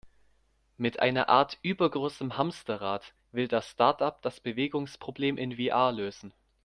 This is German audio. Mit einer Art übergroßem Hamsterrad, will das Startup das Bewegungsproblem in VR lösen.